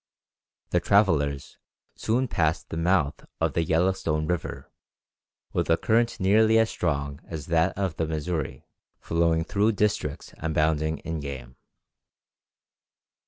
The travellers soon passed the mouth of the Yellowstone River, with a current nearly as strong as that of the Missouri, flowing through districts abounding in game.